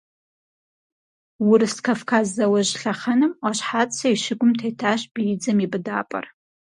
Урыс-Кавказ зауэжь лъэхъэнэм Ӏуащхьацэ и щыгум тетащ биидзэм и быдапӀэр.